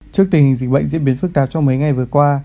trước tình dịch bệnh diễn biến phức tạp trong mấy ngày vừa qua